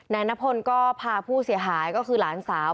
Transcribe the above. แนนภลก็พาผู้เสียหายก็คือนั่นเป็นหลานสาว